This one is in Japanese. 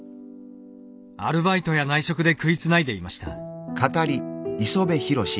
アルバイトや内職で食いつないでいました。